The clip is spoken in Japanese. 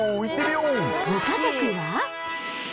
ご家族は。